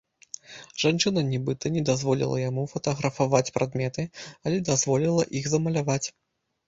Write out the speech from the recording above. Жанчына нібыта не дазволіла яму фатаграфаваць прадметы, але дазволіла іх замаляваць.